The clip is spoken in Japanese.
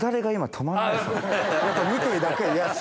見ているだけで。